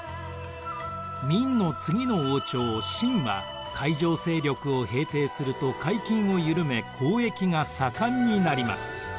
明の次の王朝清は海上勢力を平定すると海禁を緩め交易が盛んになります。